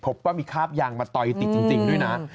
พบว่ามีคราบยางมาต่อยติดจริงด้วยนะ